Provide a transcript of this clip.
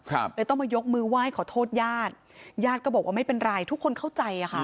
เลยต้องมายกมือไหว้ขอโทษญาติญาติก็บอกว่าไม่เป็นไรทุกคนเข้าใจอ่ะค่ะ